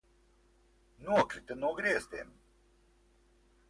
Nokrita no griestiem!